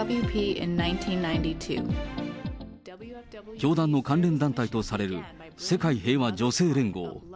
教団の関連団体とされる世界平和女性連合。